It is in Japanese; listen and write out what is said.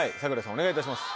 お願いいたします。